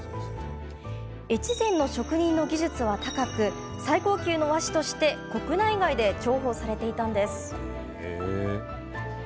越前の職人の技術は高く最高級の和紙として国内外で重宝されていました。